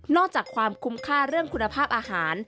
จากความคุ้มค่าเรื่องคุณภาพอาหาร